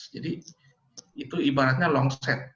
jadi itu ibaratnya long set